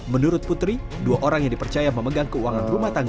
menurut putri dua orang yang dipercaya memegang keuangan